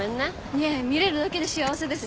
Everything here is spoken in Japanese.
いえ見れるだけで幸せです。